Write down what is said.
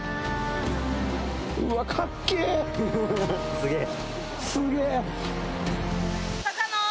すげえ。